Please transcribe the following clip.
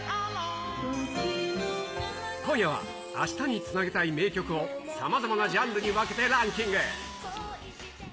今夜は、明日につなげたい名曲を、さまざまなジャンルに分けてランキング。